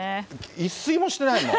一睡もしてないもん。